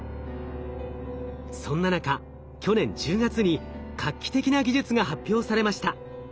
そんな中去年１０月に画期的な技術が発表されました。